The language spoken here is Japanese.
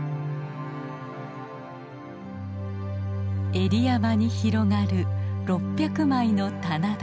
江里山に広がる６００枚の棚田。